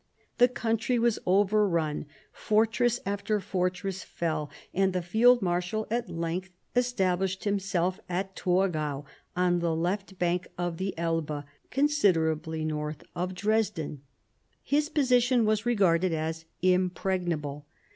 The country was overrun, fortress after fortress fell, and the field marshal at length es tablished himself at Torgau, on the left bank of the Elbe, considerably north of Dresden. His position was regarded as impregnable.